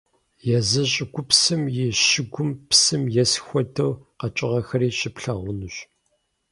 Езы щӀыгупсым и щыгум псым ес хуэдэу къэкӀыгъэхэри щыплъагъунущ.